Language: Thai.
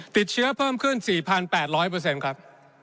ติดเชื้อเพิ่มขึ้น๔๘๐๐เปอร์เซ็นต์ครับ